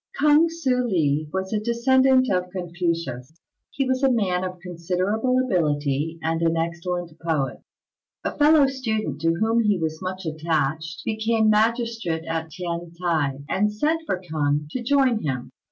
K'ung Hsüeh li was a descendant of Confucius. He was a man of considerable ability, and an excellent poet. A fellow student, to whom he was much attached, became magistrate at T'ien t'ai, and sent for K'ung to join him.